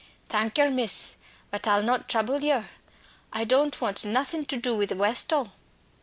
"Thank yer, miss, but I'll not trouble yer. I don't want nothing to do with Westall."